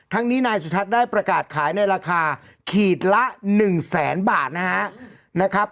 ทั้งนี้นายสุทัศน์ได้ประกาศขายในราคาขีดละหนึ่งแสนบาทนะฮะนะครับ